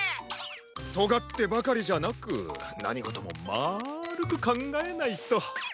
とがってばかりじゃなくなにごともまるくかんがえないと。